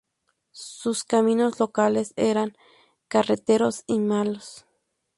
Sus caminos locales eran carreteros y malos.